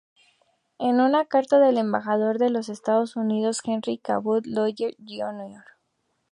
En una carta del embajador de los Estados Unidos Henry Cabot Lodge, Jr.